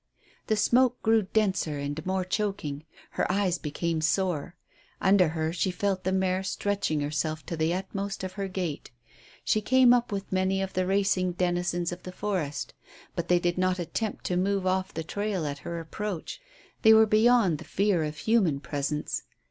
The smoke grew denser and more choking. Her eyes became sore. Under her she felt the mare stretching herself to the utmost of her gait. She came up with many of the racing denizens of the forest, but they did not attempt to move off the trail at her approach. They were beyond the fear of human presence.